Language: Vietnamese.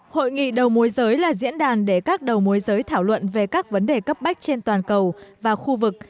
hội nghị đầu mối giới là diễn đàn để các đầu mối giới thảo luận về các vấn đề cấp bách trên toàn cầu và khu vực